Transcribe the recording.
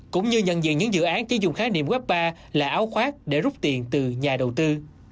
cũng như nhận diện những dự án chỉ dùng khái niệm web ba là áo khoác để rút tiền từ nhà đầu tư